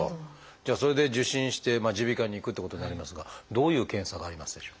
じゃあそれで受診して耳鼻科に行くってことになりますがどういう検査がありますでしょう？